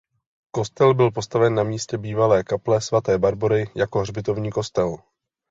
Kostel byl postaven na místě bývalé kaple svaté Barbory jako hřbitovní kostel.